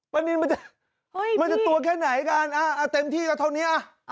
นินมันจะตัวแค่ไหนกันเต็มที่ก็เท่านี้